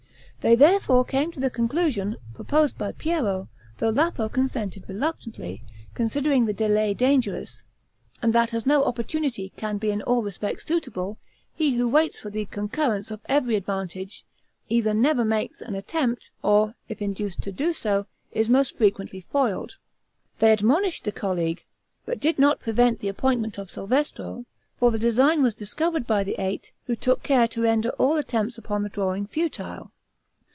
They therefore came to the conclusion proposed by Piero, though Lapo consented reluctantly, considering the delay dangerous, and that, as no opportunity can be in all respects suitable, he who waits for the concurrence of every advantage, either never makes an attempt, or, if induced to do so, is most frequently foiled. They "admonished" the Colleague, but did not prevent the appointment of Salvestro, for the design was discovered by the Eight, who took care to render all attempts upon the drawing futile.